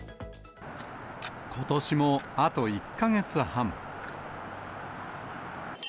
ことしもあと１か月半。